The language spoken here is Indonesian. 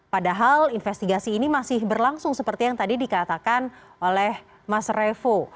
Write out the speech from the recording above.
padahal investigasi ini masih berlangsung seperti yang tadi dikatakan oleh mas revo